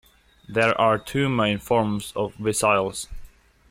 There are two main forms of vesicles.